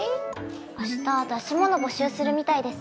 明日出し物募集するみたいです。